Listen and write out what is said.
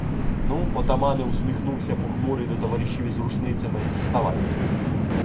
Ну, отамани, — усміхнувся похмурий до товаришів із рушницями, — ставайте.